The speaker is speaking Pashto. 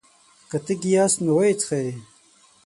که تږي ياست نو ويې څښئ!